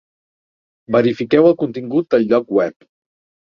Verifiqueu el contingut del lloc web.